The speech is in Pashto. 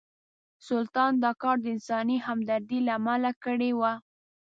سلطان دا کار د انساني همدردۍ له امله کړی و.